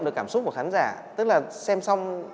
được cảm xúc của khán giả tức là xem xong